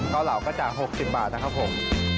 เหล้าเหล่าก็จาก๖๐บาทนะครับผม